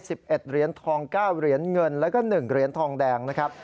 ๑๑เหรียญทอง๙เหรียญเงินแล้วก็๑เหรียญทองแดงนะครับ